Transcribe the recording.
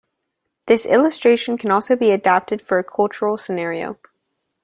This illustration can also be adapted for a cultural scenario.